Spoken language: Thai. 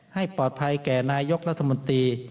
ให้ปลอดภัยแก่นายกรัฐมนตรี